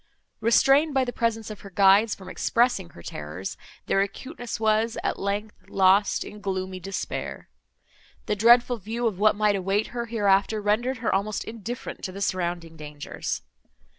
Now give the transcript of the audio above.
Restrained by the presence of her guides from expressing her terrors, their acuteness was, at length, lost in gloomy despair. The dreadful view of what might await her hereafter rendered her almost indifferent to the surrounding dangers.